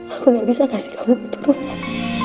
aku gak bisa kasih kamu keturunan